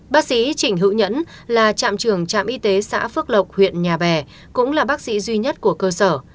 bác sĩ trịnh hữu nhẫn là trạm trưởng trạm y tế xã phước lộc huyện nhà bè cũng là bác sĩ duy nhất của cơ sở